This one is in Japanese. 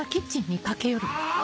あ！